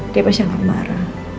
dia pasti akan maaf